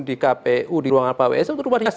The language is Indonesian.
di kpu di ruangan pak ws perubahan